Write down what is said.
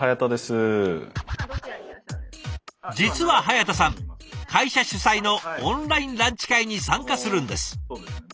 実は早田さん会社主催のオンラインランチ会に参加するんです。